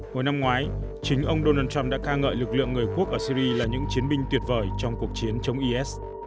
hồi năm ngoái chính ông donald trump đã ca ngợi lực lượng người quốc ở syri là những chiến binh tuyệt vời trong cuộc chiến chống is